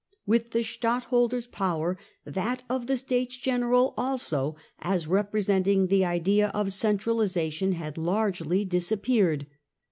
With the Stadtholder's power that of the Stales General also, as representing the idea of centrali sation, had largely disappeared.